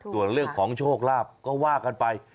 ส่วนเรื่องของโชคลาภก็ว่ากันไป